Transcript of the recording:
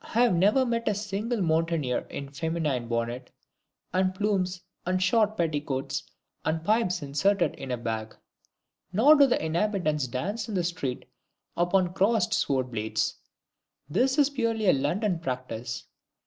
I have never met a single mountaineer in feminine bonnet and plumes and short petticoats, and pipes inserted in a bag. Nor do the inhabitants dance in the street upon crossed sword blades this is purely a London practice.